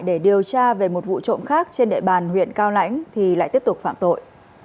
để điều tra về một vụ trộm khác trên địa bàn huyện cao lãnh thì lại tiếp tục phạm tội